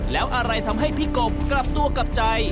แล้วอะไรทำให้พี่กบกลับตัวกลับใจ